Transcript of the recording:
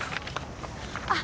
あっ。